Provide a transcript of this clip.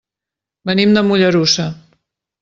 Venim de Mollerussa.